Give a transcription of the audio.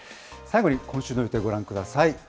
最後に今週の予定をご覧ください。